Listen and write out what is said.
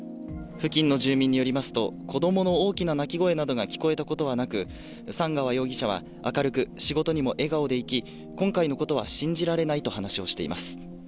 付近の住民によりますと、子どもの大きな泣き声などが聞こえたことはなく、寒川容疑者は明るく、仕事にも笑顔で行き、今回のことは信じられないと話しをしています。